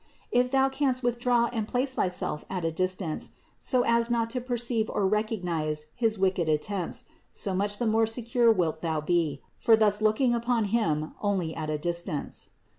If thou canst withdraw and place thyself at a distance, so as not to perceive or recognize his wicked attempts, so much the more secure thou wilt be for thus looking upon him only at a distance.